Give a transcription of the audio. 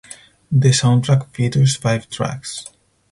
The soundtrack features five tracks.